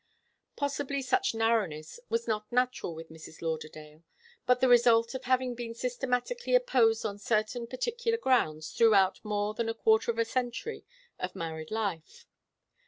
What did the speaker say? Possibly such narrowness was not natural with Mrs. Lauderdale, but the result of having been systematically opposed on certain particular grounds throughout more than a quarter of a century of married life.